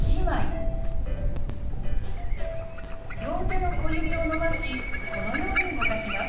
両手の小指を伸ばしこのように動かします。